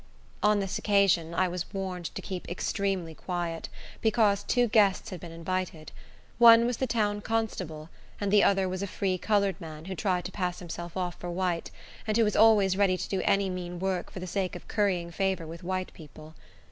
On this occasion, I was warned to keep extremely quiet, because two guests had been invited. One was the town constable, and the other was a free colored man, who tried to pass himself off for white, and who was always ready to do any mean work for the sake of currying favor with white people.